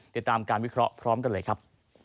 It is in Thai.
ติดตามการวิเคราะห์พร้อมกันเลยครับ